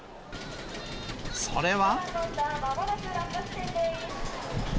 それは。